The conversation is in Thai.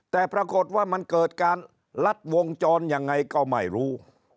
แต่ปรากฏว่ามันเกิดการลัดวงจรยังไงก็ไม่รู้